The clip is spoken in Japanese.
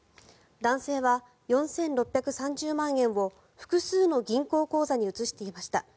男性は４６３０万円を複数の銀行口座に移していました。